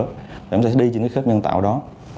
rồi chúng ta sẽ đi trên cái khớp nhân tạo đó